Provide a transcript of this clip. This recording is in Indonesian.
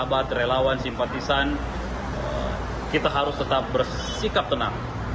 sahabat relawan simpatisan kita harus tetap bersikap tenang